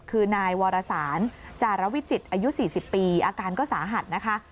คือนายวรสารจารวิจิตรอายุ๔๐ปีอาการก็สาหัสนะคะ